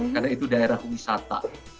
karena itu daerah wisata